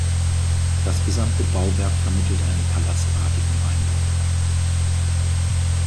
Das gesamte Bauwerk vermittelt einen palastartigen Eindruck.